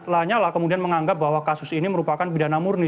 lanyala kemudian menganggap bahwa kasus ini merupakan pidana murni